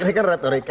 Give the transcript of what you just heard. ini kan retorik